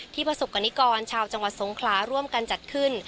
ประสบกรณิกรชาวจังหวัดสงขลาร่วมกันจัดขึ้น